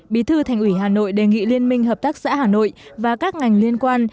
bí thư thành ủy hà nội đề nghị liên minh hợp tác xã hà nội và các ngành liên quan